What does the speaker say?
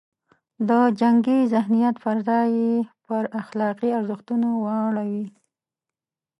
د جنګي ذهنیت پر ځای یې پر اخلاقي ارزښتونو واړوي.